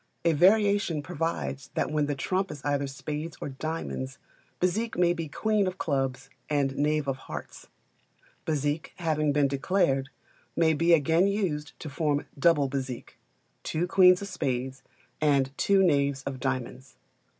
A variation provides that when the trump is either spades or diamonds, Bezique may be queen of clubs and knave of hearts. Bézique having been declared, may be again used to form Double Bezique two queens of spades and two knaves of diamonds.